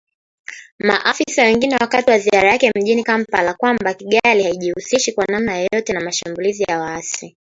Maafisa wengine wakati wa ziara yake mjini kampala kwamba Kigali haijihusishi kwa namna yoyote na mashambulizi ya waasi